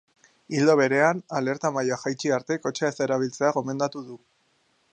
Ildo berean, alerta maila jaitsi arte kotxea ez erabiltzea gomendatu du.